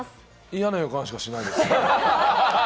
嫌な予感しかしないです。